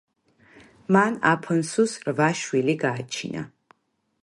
მან აფონსუს რვა შვილი გააჩინა.